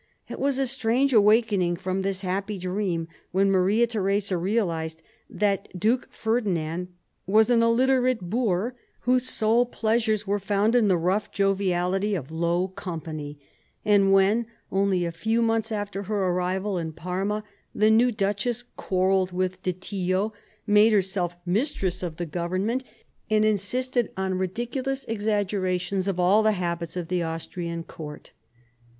It was a strange awakening from this happy dream when Maria Theresa realised that Duke Ferdinand was an illiterate boor, whose sole pleasures were found in the rough joviality of low company, and when, only a few months after her arrival in Parma, the new duchess quarrelled with De Tillot, made herself mistress of the government, and i » v 1765 70 DOMESTIC AFFAIRS 221 insisted on ridiculous exaggerations of all the habits of the Austrian court.